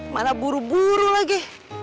mana buru buru lagi